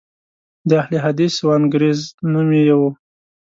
د اهل حدیث وانګریز نوم یې و.